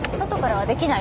はい。